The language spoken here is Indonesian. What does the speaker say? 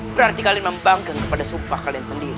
berarti kalian membangkang kepada sumpah kalian sendiri